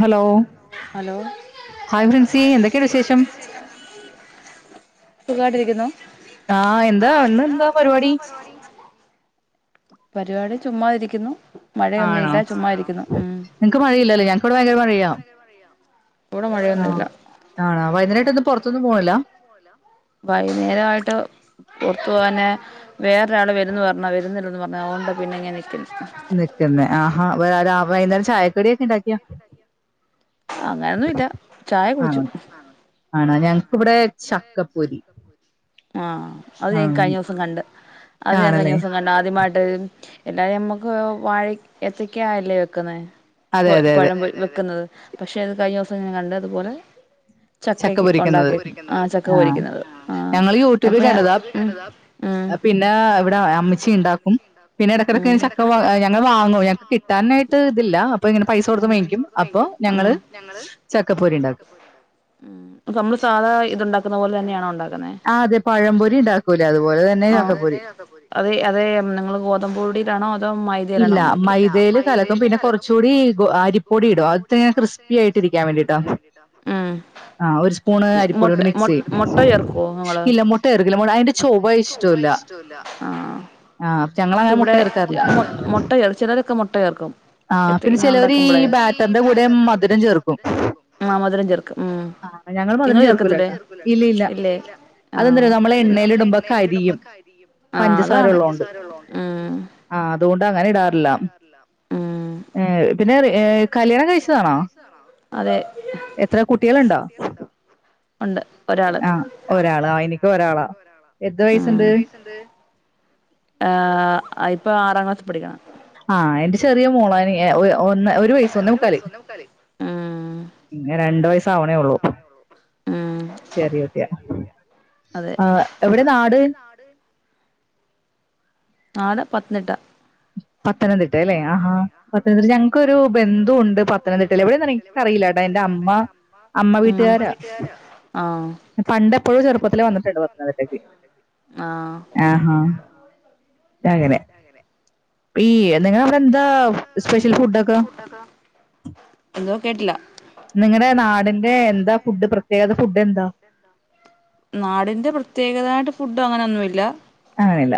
Hello hi Princy എന്തൊക്കെണ് വിശേഷം സുഖായിട്ടിരിക്കുന്നു ആ എന്താ ഇന്ന് എന്താ പരിപാടി പരിപാടി ചുമ്മാതിരിക്കുന്നു ആണോ നിങ്ങക്ക് മഴയില്ലല്ലേ ഞങ്ങക്കിവിടെ ഭയങ്കര മഴയാ ആ ആണോ വൈയ്യുന്നേരം [unintelligible] [unintelligible] പുറത്തൊന്നും പോണില്ല [unintelligible] വൈന്നേരമായിട്ട് പുറത്തു പോകാനെ വേറൊരാള് വരുന്നു പറഞ്ഞ വരുന്നില്ലന്ന് പറഞ്ഞ അതുകൊണ്ട് പിന്നെ ഇങ്ങനെ നിക്കുന്നു നിൽക്കുന്നേ ആ [unintelligible] ചായക്കടിയക്ക എണ്ടാക്കാക്കിയ അങ്ങനൊന്നും ഇല്ല ചായ കുടിച്ചു ഇവിടെ ചക്കപ്പൊരി ആ അത് ഞാൻ കഴിഞ്ഞ ദിവസം കണ്ട് അത് ഞാൻ കഴിഞ്ഞ ദിവസം കണ്ട ആദ്യമായിട്ട് [unintelligible] എല്ലാരും നമ്മക്ക് വാഴയ് ഏത്ത യ്യ്ക്ക അല്ലെ വെക്കുന്നെ [unintelligible] പഴം വെക്കുന്നത് പക്ഷെ അത് കഴിഞ്ഞ ദെവസം ഞാൻ കണ്ട് അതുപോലെ ചക്കക്കി ഉണ്ടാക്കി ആ ചക്ക പൊരിക്കുന്നത് ആ ള് യൂട്യൂബിൽ കണ്ടതാ പിന്ന ഇവിട അമ്മിച്ചി ഇണ്ടാക്കു മം പിന്നെ ഇടക്കിടക്ക് ചക്ക ഞങ്ങൾ വാങ്ങു ഞങ്ങക്ക് കിട്ടാനായിട്ട് ഇതില്ല അപ്പൊ ഇങ്ങനെ പൈസ കൊടുത്ത് വേങ്ങിക്കും അപ്പൊ ഞങ്ങള് ചക്ക പൊരി ഉണ്ടാക്കും അ നമ്മള് സാധാ ഇത് ഉണ്ടാക്കുന്ന പോലെ തന്നെയണോ ഉണ്ടാ ണ്ടാ തന്നെ ബോഡിടാണോ മൈതേൽ കലക്കും പിന്ന കുറച്ചൂടി അരിപ്പൊടി ഇടും കൃസ്പി ആയി ഇരിക്കാൻ വേണ്ടിട്ടാ മൊട്ട മൊട്ട ചേർക്കുവോ ങ്ങള് അതിന്റെ ചൊവ്വ ഇഷ്ടോല്ല ങ്ങന മുട്ടറക്കാറില്ല മഹ് മുട്ടചേർ ചേലരൊക്കെ മുട്ട ചേർക്കും ഇങ്ങനെ ഉണ്ടാക്കുമ്പോഴേ ആ മധുരം ചേർക്കും മ്മഹ് നിങ്ങൾ ചേർക്കില്ലേ ഏഹ് ഇല്ലേ ആഹ് ആഹ് അതാണ് ആ ആഹ അതുകൊണ്ട് അങ്ങനെ ഇടാറില്ല പിന്നെ കല്യാണം കഴിച്ചതാണോ അതെ എത്ര കുട്ടികളുണ്ടോ ഒരാൾ എനിക്കും ഒരാള എത്ര വയസ്സുണ്ട് ആ ഇപ്പൊ ആറാം ക്ലാസ് പഠിക്കണ് ആ എന്റെ ചെറിയ മോളനി എ ഒ യൊ ഒരു വയസ ഒന്ന കളി രണ്ട വയസാവണേ ഉള്ളു ശരി അതെ എവിടെ നാട് നാട് പത്തനട്ട പത്തനംതിട്ട അല്ലെ ആ പത്തനംതിട്ട ഞങ്ങക്കൊരു ബന്ധുണ്ട് പത്തനംതിട്ട എവിടെന്ന എനിക്കറിയില്ലട്ടാ എന്റെ അമ്മ അമ്മ വീട്ടുകാരാ പണ്ടെപ്പോഴോ ചെറുപ്പത്തില് വന്നട്ടുണ്ട് ഈ നിങ്ങ അവിടെ എന്താ സ്പെഷ്യൽ ഫുഡൊക്കെ നിങ്ങളടെ നാടിന്റെ എന്താ ഫുഡ് പ്രത്യേകത ഫുഡ് എന്താ ത്തു അങ്ങനൊന്നുമില്ല ആയില്ല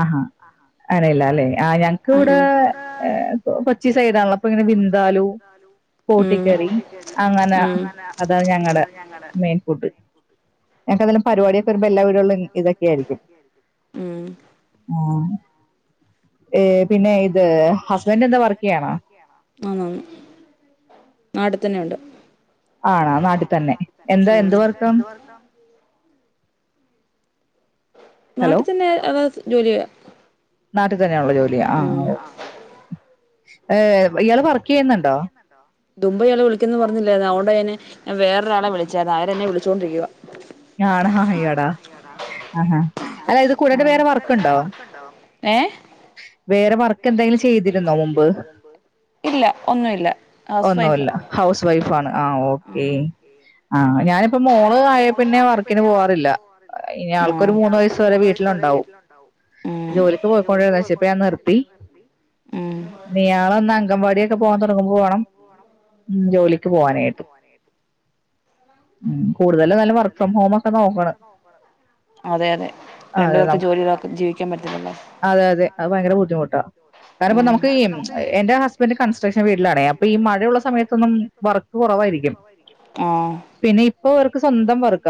ആഹാ അറിയില്ല ലെ ആ ഞങ്ങക്ക് ഇവിടെ പച്ചിസ് ചെയ്തള്ള പ്പൊ ഇങ്ങനെ ബിൻ വിന്താലു പോട്ടിക്കറി അങ്ങനെ അതാണ് ഞങ്ങടെ മെയിൻ ഫുഡ് ഞങ്ങക്ക്ന്തെലും പരിപാടിയൊക്കെ വരുമ്പോ എല്ലാ വീട്ളും ഇതൊക്കെ ആയിരിക്കും ആ ആ നാട്ട് തന്നെുണ്ട് ആണോ നാട്ടിൽ തന്നെ എന്താ എന്ത് വർക്കം നാട്ടിൽ തന്നെ അ ജോലിയ നാട്ടിൽ തന്നെയള്ള ജോലിയ ആ ഏഹ് ഇയാള് പറഞ്ഞ ദുമ്പയാളെ വിളിക്കന്ന് പറഞ്ഞില്ലേ അൊണ്ട വേറെൊരാളെ വിളിച്ചായിരുന്നു അവരെന്നെ വിളിച്ചുകൊണ്ടിരിക്കുക. ആട അടാ ആഹ ഹ. അല്ല ഇത് കൂടാ വേറെ വർക്കുണ്ടോ. വേറെ വർ എന്തെങ്കിലും ചെയ്തിരുന്നോ മുമ്പ് ഒന്നുമല്ല ഹൗസ് വൈഫ ആണ് ആ ഓക്കേ ആ ഞാനിപ്പ മോള് ആയ തഴെ പിന്നെ വർക്കിന് പോവാറില്ല ഇയാൾക്കൊരു മൂന്ന് വയ വരെ വീട്ടിലണ്ടാവും ജോലിക്ക് പോയിക്കൊണ്ട് നിർത്തി ഇയാൾ അങ്കൻവാടിൊക്കെ പോവാൻ തുടങ്ങുമ്പോ വേണം ജോലിക്ക് പോവാനായിട്ട്. കൂടുതൽ. അതെ അതെ രണ്ടു പേർക്ക് ജോലി ജീവിക്കാൻ പറ്റല്ലി ഇപ്പ അവർ സ്വന്തം പറർും.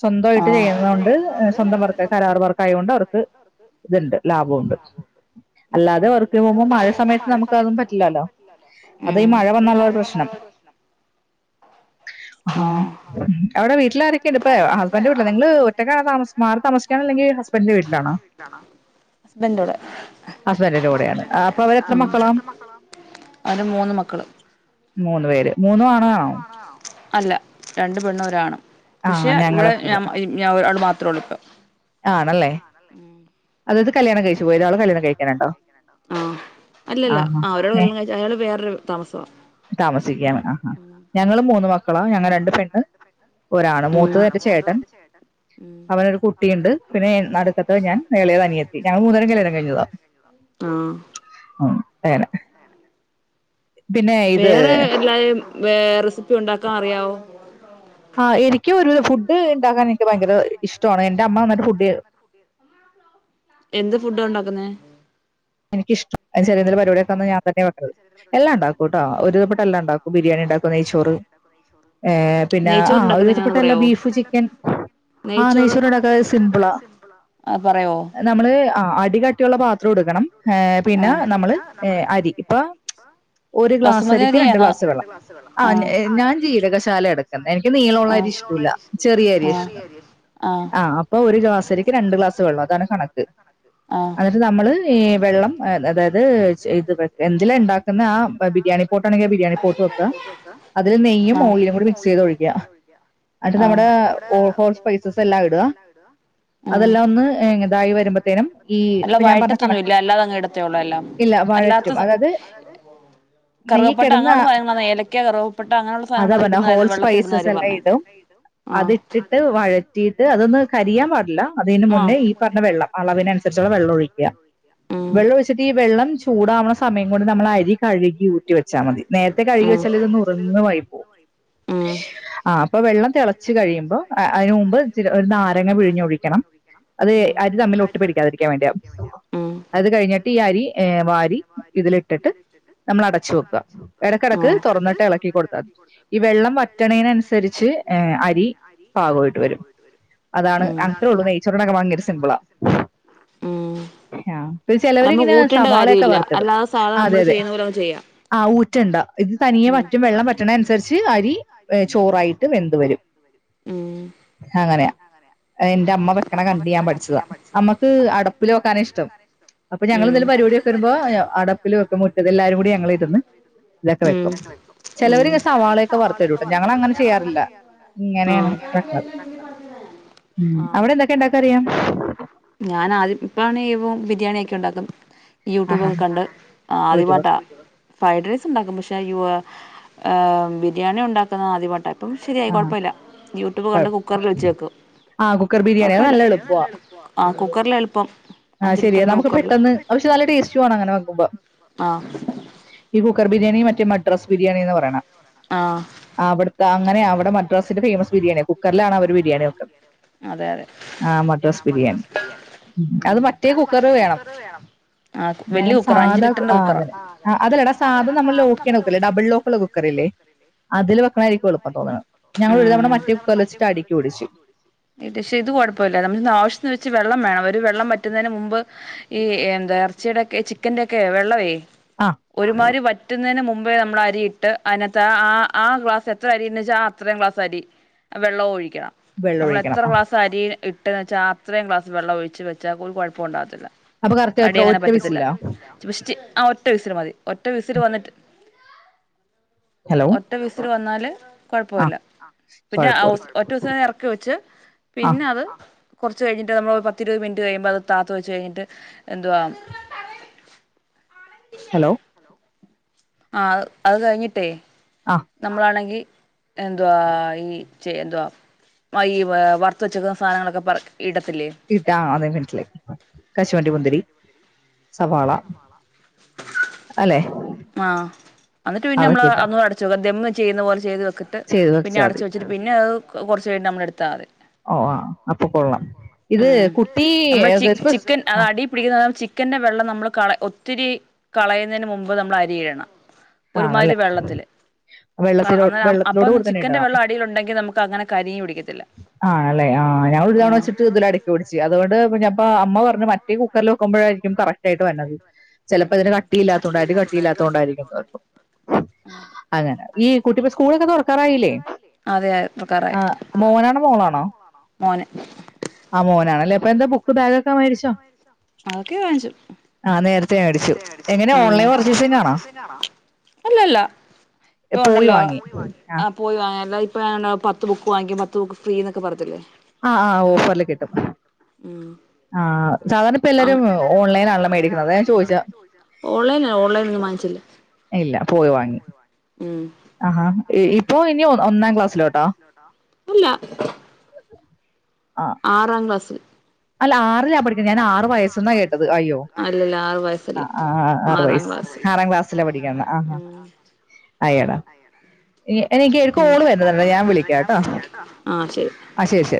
സ്വന്തമായിട്ട് ചെയ്യുന്നത കൊണ്ട് സ്വന്തം വർക്ക കരാർ വർക്ക ആയ കൊണ്ട് അവർക്ക് ഇതുണ്ട് ലാഭംണ്ട് അല്ലാതെ അവർക്ക് പോകുമ്പോ മഴ സമയത്ത് നമുക്ക് അതും പറ്റില്ലല്ലോ അത ഈ മഴ വന്നുള്ളരു പ്രശ്നം ആഹ അവിടെ എവിടെ വീട്ടിലക്കപ്പ ഹസ്ബൻഡട്ട നി ഒറ്റ തിലബഡ അവ മൂന്ന മക്കള്. അല്ല രണ്ട് വെണ്ണൂരാണ് പക്ഷെ ഇവിടെ ഞ ഞ ഒരാള് മാത്ര എത്രൊളുപ്പം. ആണല്ലേ അതായത്. കല്യാണം കഴിച്ചു പോ ഒരാൾ കല്യാണം കഴിക്കാനണ്ടോ ആഹ് അല്ലല്ല ആ അവരോട് വള്ളണം കഴ അയാള് വേറൊരു താമസവാ ഞങ്ങ രണ്ട് പെണ്ണ് ഒരാണ് മൂത്ത തന്റെ ചേട്ടൻ അവനൊരു കുട്ടി ത്തിണ്ട് പിന്നെ നടുക്കത്ത ഞാൻ വേളൽ തനിയെത്തി ഞാൻ മൂന്നരം കളരാം കഴിഞ്ഞതാ തേന വേറെ എല്ലാും റെസിപ്പി ഉണ്ടാക്കാൻ അറിയാവോ ആ എനിക്കും ഒരു ഫുഡ് ഉണ്ടാക്കാൻ എനിക്ക് ഭയങ്കര ഇഷ്ടമാണ് എന്റെ അമ്മ നന്നട്ട് ഫുഡ് എന്ത് ഫുഡ് ഉണ്ടാക്കുന്നെ എനിക്കിഷ്ടം അ ചെറിയ പരിപാടിയൊക്കെന്ന് ഞാൻ തന്നെ വെണ്ടത് എല്ലാം ഉണ്ടാക്കും കേട്ട ഒരുരിതപ്പെട്ട എല്ലാം ഉണ്ടാക്കും ബിരിയാണി ഉണ്ടാക്കും നെയ്ച്ചോറ് ആ പിന്നെ ആ ഒരുധപ്പെട്ടല്ല ബീഫ് ചിക്കൻ ആ നെയച്ചോർടക്കെ സിംപിളാ നമ്മള് ആ അടിക യുള്ള പാത്രം എടുക്കണം. ഏ പിന്നെ നമ്മള് അരി ഇപ്പൊ ഒരു ഗ്ലാസ് അരിക്ക് രണ്ട് ഗ്ലാസ് വെള്ളം ആ ഞാൻ ജീരകശാല എടുക്കുന്നത് എനിക്ക് നീളമുള്ള അരി ഇഷ്ടില്ല ചെറിയ അരി ഇഷ്ടം ആഹ് അപ്പൊ ഒരു ഗ്ലാസ് അരിക്ക് രണ്ട് ഗ്ലാസ് വെള്ളം അതാണ് കണക്ക് എന്നിട്ട് നമ്മള് വെള്ളം അ അതായത് ചെ ഇത് ബെ എന്തിലാണ്ടാക്ക്ന്നെ ആ ആ ബിരിയാണി പോട്ട്ണ്ടെ ബിരിയാണി പോട്ട് വെക്ക ആ അയ്ല് നെയ്യും ഓയിലും കൂടെ മിക്സെയ്തൊയ്ക്ക ആ ന്നട്ട് നമ്മടേ ഹോ ഹോൾ സ്പൈസസെല്ലാം ഇട്ക അതെല്ലാം ഒന്ന് എ ഇതായി വര്മ്പത്തേനും അല്ല വയറ്റത്തൊന്നും ഇല്ലാ അല്ലാതങ്ങ് ഇടത്തേ ഒള്ളൂ എല്ലാം അല്ലാത്തത് കറ്കപ്പട്ട അങ്ങന്ള്ള സാനങ്ങളാന്നെ ഏലക്ക കറുകപ്പട്ട അങ്ങനെള്ള സാധങ്ങള് ഇട്ന്ന കാര്യ വെള്ളത്തില്ട്ന്ന കാര്യ പറ്ഞ്ഞെ ആ അതിട്ടിട്ട് വ ട്ട്ട്ട് അതൊന്ന് കരിയാം പാടില്ല അതിന് മുന്നേ ഈ പറഞ്ഞ വെള്ളം അളവിനൻസ് സ്ച്ചുള്ള വെള്ളാെഴിക്ക വെള്ളാെഴിച്ചിട്ട് ഈ വെള്ളം ചു ചൂടാവുന്ന സമയം കൊണ്ട് നമ്മൾ അരി കഴുകി കി വെച്ചാ മതി നേരത്തെ കഴുകി വെച്ചാൽ ഇതന്ന് നുറുന്ന്വായി പോവും ആ. അപ്പൊ വെള്ളം തിളച്ചു കഴിയുമ്പോ അതിനു മുമ്പ് ച ഒരു നാരങ്ങ പിഴിഞ്ഞൊഴിക്കണം അത് അരി തമ്മിൽ ഒട്ടിപ്പിടിക്കാതിരിക്കാൻ വേണ്ടിയാ. അത് കഴിഞ്ഞിട്ട് ഈ അരി ഏ വാരി ഇതിലിട്ടിട്ട് നമ്മൾ അടച്ചു വെക്കുക. ഇടക്കിടക്ക് തുറന്നിട്ട് ഇളക്കി കൊടുക്കാം ഈ വെള്ളം വറ്റണേന് അനുസരിച്ച് ഉം ഉം ആ ചിലവരിങ്ങനെ സവാളയൊക്കെ വറുത്തിടും അതെ അതെ ആ ഊറ്റണ്ടാ ഇത് തനിയെ വറ്റും വെള്ളം വറ്റണേ അനുസരിച്ച് അരി ചോറായിട്ട് വെന്ത് വരും. അങ്ങനെയാ എന്റെ അമ്മ വെക്കണ കണ്ട് ഞാൻ പഠിച്ചതാ. അമ്മക്ക് അടുപ്പിലോ ഉം ഉം ഉം ഉം. ആ ഞാൻ ആദ്യം ഇപ്പാണ് [unintelligible] ബിരിയാണിയൊക്കെ ഉണ്ടാക്കും യൂട്യൂബൊക്കെ കണ്ട് ആദ്യമായിട്ട ഫ്രൈഡ് റൈസ് ഉണ്ടാക്കും പക്ഷെ യൊ ഹ് ബിരിയാണി ഉണ്ടാക്കുന്നത് ആദ്യമായിട്ടാ. അപ്പം ശരിയായി കുഴപ്പമില്ല യൂട്യൂബ് കണ്ട് കുക്കറിൽ വച്ചേക്കും. ക്കർ ബിരിയാണി അത് നല്ല എളുപ്പ ആ ശരി നമുക്ക് പെട്ടെന്ന് പക്ഷെ നല്ല ടേസ്റ്റുആണ് അങ്ങനെ വെക്കുമ്പോ ഈ കുക്കർ ബിരിയാണി മറ്റേ മഡ്ര ബിരിയാണിന്ന് പറയണെ അവിടെ തെ അങ്ങനെ അത് മദ്രാസിലെ ഫേമസ് ബിരിയാണിയാ കുക്കറിലാണവർ ബിരിയാണിവെക്കുന്നെ ആ അതെ അതെ ആ മദ്രാസ് ബിരിയാണി അത് മറ്റേ കുക്കർ വേണം ആ വല്യ കുക്കറോ അഞ്ചു ലിറ്ററിന്റെ കുക്കർ നമ്മടെ സാധാ ആ അത് തന്നെ അതല്ലടാ സാധാ നമ്മള് ലോക്ക് ചെയ്യുന്ന കുക്കർ ഇല്ലേ ഡബിൾ ലോക്കുള്ള കുക്കർ ലെ അതിൽ അതാരിക്കും എളുപ്പം തോന്നാണ് ആ പക്ഷെ ഇതു കുഴപ്പമില്ല നമ്മൾ ഇന്ന് ആവിശ്യത്തിന് വെച്ച വെള്ളം വേണം അവര് വെള്ളം വറ്റുന്നതിന് മുമ്പ് ഈ എന്താ എറച്ചിയുടെയൊക്കെ ചിക്കന്റെയൊക്കെ വെള്ളവേ ഒരുമാരി വറ്റുന്നതിന് മു നമ്മൾ അരിയിട്ട് അതിനത്ത് ആ ആ ഗ്ലാസ് എത്ര അരി ന്ന് വെച്ചാൽ അത്രയും ക്ലാസ് അരി വെള്ളോം ഒഴിക്കും ക്യ നമ്മൾ എത്ര ക്ലാസ് അരി ഇ ട്ടെന്ന് വച്ചാ അത്രെയും ക്ലാസ് വെള്ളം ഒഴിച്ച് വച്ചാൽ ഒരു കൊഴപ്പവും ഉണ്ടാവത്തില്ല. അടി അങ്ങനെ പറ്റത്തില്ല ചുസ്റ്റ് ആ ഒറ്റ വിസിൽ മതി. ഒറ്റ വിസ്ൽ വന്നിട്ട് ഒറ്റ വിസില് വന്നാൽ കുഴപ്പവല്ല പിന്നെഅ ഒറ്റ ദിവസം ഇറക്കി വെച്ച് പിന്നെ അത് കുറച്ച് കഴിഞ്ഞിട്ട് നമ്മൾ പത്തി ഇരുപത് മിനിറ്റ് കഴിയുമ്പോ അത് താത്ത് വെച്ച് കഴിഞ്ഞിട്ട് എന്തുവാ ഹലോ. ആഹ് അത് കഴിഞ്ഞിട്ടേയ് നമ്മളാണെങ്കി എന്തുവാ ഈ [unintelligible] വൈവ് വറുത്ത വെച്ചത്ത് ഇ സാധനങ്ങളൊക്കെ പറി ഇട്ടാ അതെ [unintelligible] കശുവണ്ടി മുന്തിരി ആഹ് അന്നിട്ട് പിന്നെ അമ്മള് അന്നൂ അടച്ചുനോക്ക [unintelligible] ചെയ്യുന്ന പോലെ ചെയ്ത് വെ കിട്ട് പിന്നെ അടച്ച് വെച്ചിട്ട് പിന്ന കൊറച്ച് കയിഞ്ഞ് നമ്മള് എടുത്താതി ഓ ആ അപ്പൊ കൊള്ളാം ഇത് കുട്ടി [unintelligible] ആ ചിക്കന്റെ വെള്ളം നമ്മള് കള ഒത്തിരി കളയുന്നതിന് മുമ്പ് നമ്മൾ അരിയണം. ആണല്ലേ വെള്ളത്തി വെള്ളത്തിലോട് കൂടി തന്നെ ഇടണം, ആണല്ലേ ആ ഞാങ്ങളൊരു തവണ വെച്ചിട്ട് ഇതിൽ അടക്കിപിടിച്ചു അതുകൊണ്ട് പി അപ്പ അമ്മ പറഞ് മറ്റേ കുക്കറിൽ വോക്കുമ്പോഴായിരിക്കും കറക്റ്റ് ആയിട്ട് വര്ണത്. ചെലപ്പോ അതിന് കട്ടിയില്ലാത്തൊണ്ടാ അടി കട്ടിയില്ലാത്തൊണ്ടായിരികും. അതേ തൊർക്കാറായി മോന് അതക്കെ വാങ്ങിച്ചു മ്മ് അല്ലല്ല ഇപ്പോണ്ടലോ ആ പോയി വാ എന്നാൽ ഇപ്പെയാണേ പത്ത് ബുക്ക് വാങ്ങിക്കി പത്ത് ബുക്ക് ഫ്രീന്നക്കേ പറത്തില്ലേ ആ ആ ഓഫറിൽ കിട്ടും ആ സാധാരണയിപ്പം എല്ലാരും ഓൺലൈനണല്ലേ മേടിക്കുന്നത് അതാ ഞാൻ ചോ ഓൺലൈന ഓൺലൈനൊന്നും വാങ്ങിച്ചില്ല ഇല്ല പോയി വാങ്ങി മ്മ് ആഹാ ഇ ഇപ്പൊ ഇനി ഒ ഒന്നാ ക്ലാസ്സിലോട്ടാ ഇല്ല ആറാ ക്ലാസിൽ അല്ല ആറിലാ പഠിക്കന്നേ ഞാൻ ആറ് വയസ്സെന്നാ കേട്ടത് അയ്യോ ആ ആ ആ ആറ് വയസ്സ് ആറാ ക്ലാസിലാ പഠിക്കന്നേ അയ്യട എ എനിക്കേ ഒരു കോള് വരുന്നുണ്ട് ഞാൻ വിളിക്കാട്ടോ ആ ശരിശ